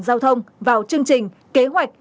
giao thông vào chương trình kế hoạch